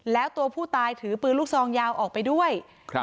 แล้วตัวผู้ตายถือปืนลูกซองยาวออกไปด้วย